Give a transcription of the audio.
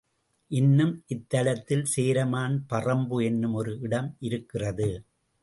இன்னும் இத்தலத்தில் சேரமான் பறம்பு என்று ஒரு இடம் இருக்கிறது.